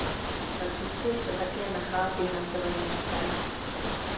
Sakristie se také nachází na severní straně.